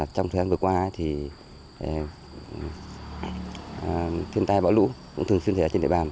trong thời gian vừa qua thì thiên tai bão lũ cũng thường xuyên thể ở trên đại bàn